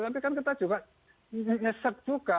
tapi kan kita juga nyesek juga